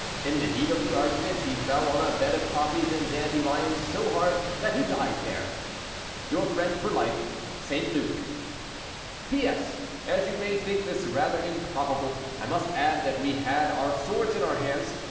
In the heat of the argument, he fell on a bed of poppies and dandelions so hard that he died there. "Your friend for life, "St. Luc. "P. S. As you may think this rather improbable, I must add that we had our swords in our hands.